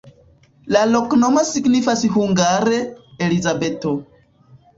La loknomo signifas hungare: Elizabeto.